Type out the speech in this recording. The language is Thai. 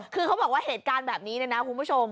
คือเขาบอกว่าเหตุการณ์แบบนี้เนี่ยนะคุณผู้ชม